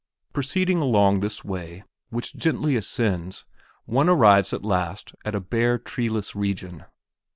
Proceeding along this way, which gently ascends, one arrives at last at a bare, treeless region.